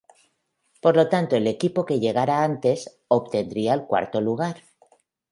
Por lo tanto el equipo que llegara antes, obtendría el cuarto lugar.